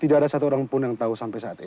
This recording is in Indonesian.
tidak ada seseorang yang tahu sampai saat ini